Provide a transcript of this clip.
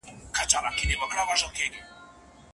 نه بابا خبر نه يم، ستا په خيالورې لور